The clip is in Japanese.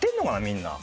みんな。